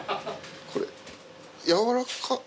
これやわらか。